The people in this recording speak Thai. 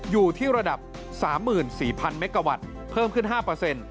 อยู่ที่ระดับ๓๔๐๐เมกาวัตต์เพิ่มขึ้น๕